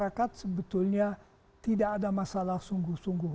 masyarakat sebetulnya tidak ada masalah sungguh sungguh